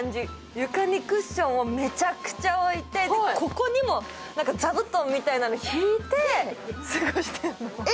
床にクッションをめちゃくちゃ置いて、ここにも座布団みたいなのを敷いて過ごしてるの。